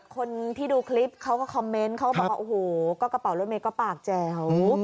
คนที่ดูคลิปเขาก็คอมเมนต์เขาก็บอกว่าโอ้โหก็กระเป๋ารถเมย์ก็ปากแจ๋ว